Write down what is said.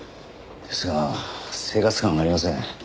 ですが生活感がありません。